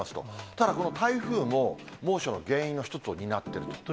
ただ、この台風も、猛暑の原因の一つを担ってる。